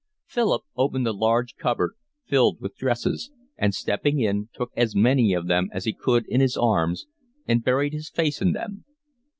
Philip opened a large cupboard filled with dresses and, stepping in, took as many of them as he could in his arms and buried his face in them.